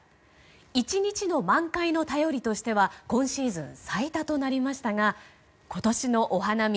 １日の満開の便りとしては今シーズン最多となりましたが今年のお花見